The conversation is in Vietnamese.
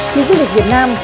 những du lịch việt nam